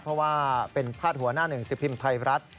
เพราะว่าเป็นพาดหัวหน้าหนึ่งสิบพิมพ์ไทยรัฐ